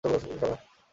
এটাতো গোসল খানা।